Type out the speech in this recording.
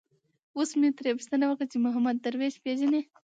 اوس مې ترې پوښتنه وکړه چې محمود درویش پېژني.